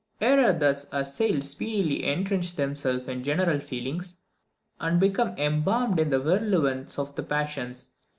Errors thus assailed speedily entrench themselves in general feelings, and become embalmed in the virulence of the passions.